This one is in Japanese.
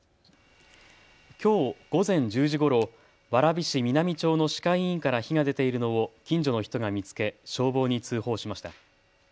きょう午前１０時ごろ、蕨市南町の歯科医院から火が出ているのを近所の人が見つけ消防に通報しました。